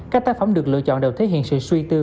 các tác phẩm được lựa chọn đều thể hiện sự suy tư